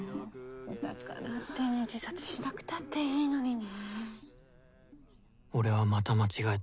だからってね自殺しなくたっていいのにね。